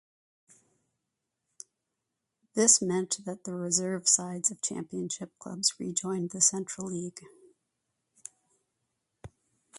This meant that the reserve sides of Championship clubs rejoined the Central League.